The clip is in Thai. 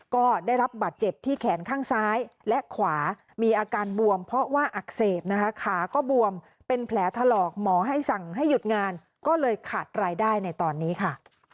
ก็ได้รับบัตรเจ็บที่แขนข้างซ้ายและขวามีอาการบวมเพราะว่าอักเสบนะคะขาก็บวมเป็นแผลถลอกหมอให้สั่งให้หยุดงานก็เลยขาดรายได้ในตอนนี้ค่ะ